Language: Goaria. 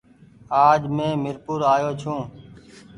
آج مينٚ مير پور آ يو ڇوٚنٚ